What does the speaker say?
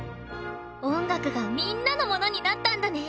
音楽がみんなのものになったんだね！